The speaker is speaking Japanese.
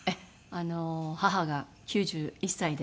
あの母が９１歳で。